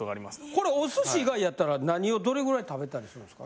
これお寿司以外やったら何をどれぐらい食べたりするんですか？